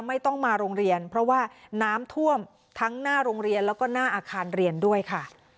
ไม่ต้องมาโรงเรียนเพราะว่าน้ำท่วมทั้งหน้าโรงเรียนแล้วก็หน้าอาคารเรียนด้วยค่ะ